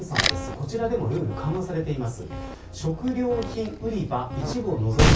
こちらでもルール緩和されています。